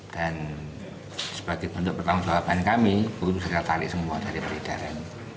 dan sebagai pendukung pertanggungjawaban kami buku itu sudah ditarik semua dari peredaran